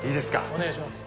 お願いします